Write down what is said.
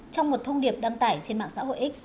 trong một thông điệp đăng tải trên mạng xã hội x